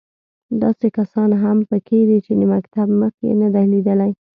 داسې کسان هم په کې دي چې د مکتب مخ یې نه دی لیدلی.